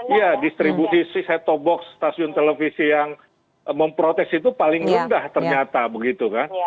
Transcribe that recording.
iya distribusi set top box stasiun televisi yang memprotes itu paling rendah ternyata begitu kan